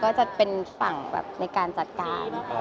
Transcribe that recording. ก็จะเป็นฝั่งแบบในการจัดการ